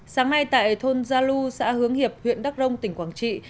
sáng nay tại thôn gia lu xã hướng hiệp huyện đắk rông tỉnh quảng trị